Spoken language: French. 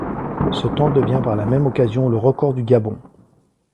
Ce temps devient par la même occasion le record du Gabon.